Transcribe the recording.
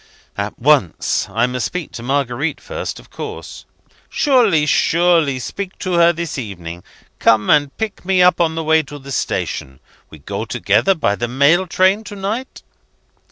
"At once. I must speak to Marguerite first, of course!" "Surely! surely! Speak to her this evening. Come, and pick me up on the way to the station. We go together by the mail train to night?"